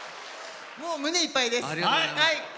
もう胸いっぱいです。